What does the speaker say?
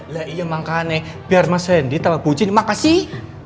lah iya maka aneh biar mas reddy tambah puji makasih